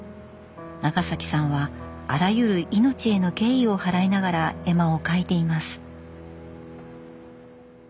永崎さんはあらゆる命への敬意を払いながら絵馬を描いています。